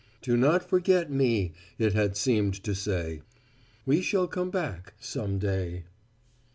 "Do not forget me!" it had seemed to say. "We shall come back some day."